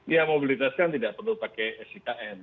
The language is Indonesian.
ya mobilitas kan tidak perlu pakai sikm